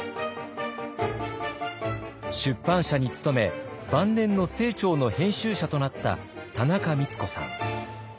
出版社に勤め晩年の清張の編集者となった田中光子さん。